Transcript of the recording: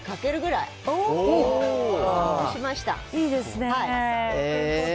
いいですね。